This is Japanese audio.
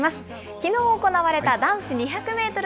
きのう行われた男子２００メートル